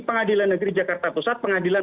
pengadilan negeri jakarta pusat pengadilan